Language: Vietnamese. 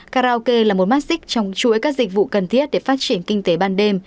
karaoke là một mắt xích trong chuỗi các dịch vụ cần thiết để phát triển kinh tế ban đêm